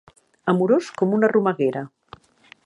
Amorós com una romeguera.